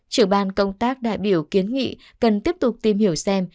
trưởng ban công tác đại biểu kiến nghị cần tiếp tục tìm hiểu xem